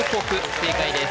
正解です